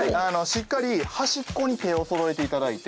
しっかり端っこに手をそろえていただいて。